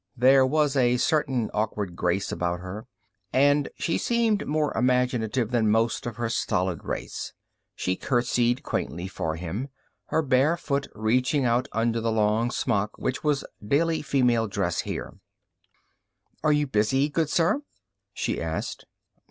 There was a certain awkward grace about her, and she seemed more imaginative than most of her stolid race. She curtsied quaintly for him, her bare foot reaching out under the long smock which was daily female dress here. "Are you busy, good sir?" she asked.